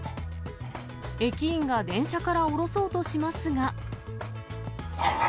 駅員が電車から降ろそうとしますが。